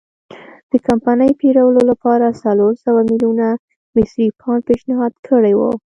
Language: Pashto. د کمپنۍ پېرلو لپاره څلور سوه میلیونه مصري پونډ پېشنهاد کړي وو.